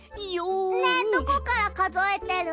ねえどこからかぞえてるの？